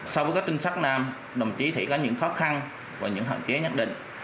so với các trinh sát nam đồng chí thì có những khó khăn và những hạn chế nhất định